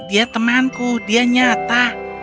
dia temanku dia nyata